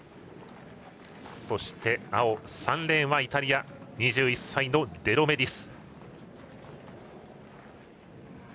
青、３レーンはイタリア２１歳のデロメディス。